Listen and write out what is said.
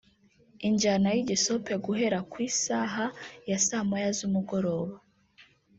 injyana y’igisope guhera ku isaha ya saa moya z’umugoroba